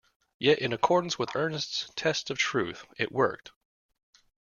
Yet, in accordance with Ernest's test of truth, it worked.